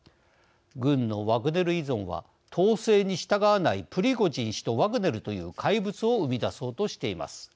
軍のワグネル依存は統制に従わないプリゴジン氏とワグネルという怪物を生み出そうとしています。